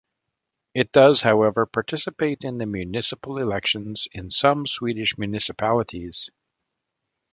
It does, however, participate in the municipal elections in some Swedish municipalities.